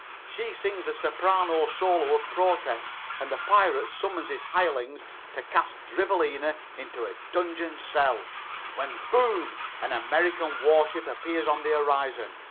She sings a soprano solo of protest, and the pirate summons his hirelings to cast Drivelina into a Donjuan cell, when boom! an American war ship appears on the horizon.